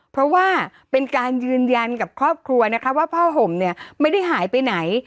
เพราะว่าเป็นการยืนยันกับครอบครัวนะคะว่าผ้าห่มเนี่ยไม่ได้หายไปไหน